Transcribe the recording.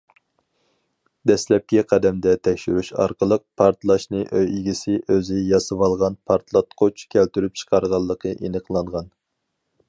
دەسلەپكى قەدەمدە تەكشۈرۈش ئارقىلىق، پارتلاشنى ئۆي ئىگىسى ئۆزى ياسىۋالغان پارتلاتقۇچ كەلتۈرۈپ چىقارغانلىقى ئېنىقلانغان.